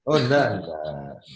oh enggak ya pak